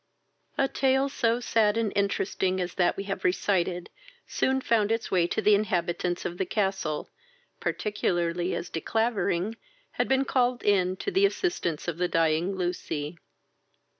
A tale so sad and interesting as that we have recited soon found its way to the inhabitants of the castle, particularly as De Clavering had been called in to the assistance of the dying Lucy.